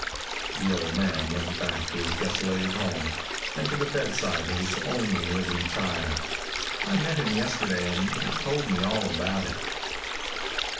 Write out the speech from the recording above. The old man went back to his desolated home and to the bedside of his only living child. I met him yesterday and he told me all about it.